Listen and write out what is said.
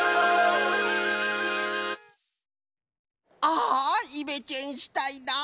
あイメチェンしたいな。